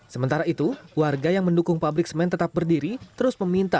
sementara itu warga yang mendukung pabrik semen tetap berdiri